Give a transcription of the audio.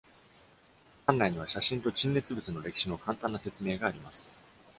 館内には写真と陳列物の歴史の簡単な説明があります。